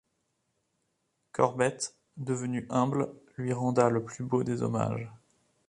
Corbett, devenu humble, lui rendra le plus beau des hommages.